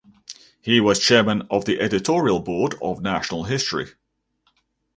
He was chairman of the editorial board of "National History".